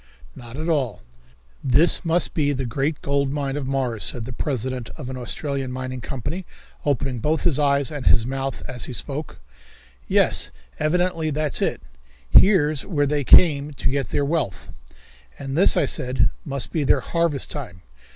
"Not at all." "This must be the great gold mine of Mars," said the president of an Australian mining company, opening both his eyes and his mouth as he spoke. "Yes, evidently that's it. Here's where they come to get their wealth." "And this," I said, "must be their harvest time.